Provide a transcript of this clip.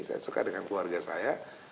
saya suka dengan keluarga saya